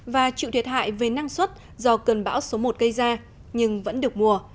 và chịu thiệt hại về năng suất do cơn bão số một gây ra nhưng vẫn được mùa